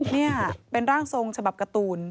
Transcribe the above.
นี่เป็นร่างทรงฉบับการ์ตูน